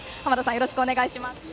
よろしくお願いします。